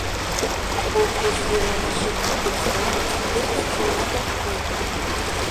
Колхоз вуйлатыше клубыштат, пӧртӧнчылнат ок кой.